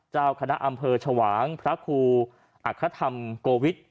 เจ้าคณะอำเภอชวางพระครูอัครธรรมโกวิท